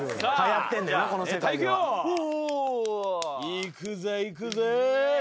いくぜいくぜ。